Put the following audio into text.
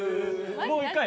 もう１回！